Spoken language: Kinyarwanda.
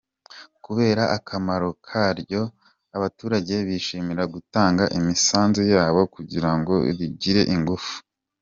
Kubera akamaro karyo, abaturage bishimira gutanga imisanzu yabo kugira ngo rigire ingufu.